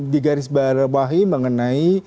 di garis barang bahi mengenai